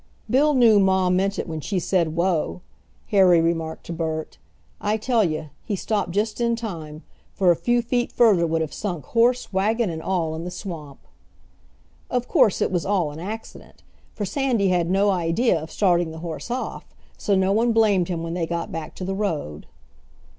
"Bill knew ma meant it when she said whoa!" Harry remarked to Bert. "I tell you, he stopped just in time, for a few feet further would have sunk horse, wagon, and all in the swamp." Of course it was all an accident, for Sandy had no idea of starting the horse off, so no one blamed him when they got back to the road.